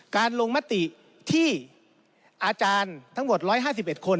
การลงมติที่อาจารย์ทั้งหมด๑๕๑คน